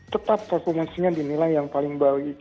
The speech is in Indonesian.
tetap performance nya dinilai yang paling baik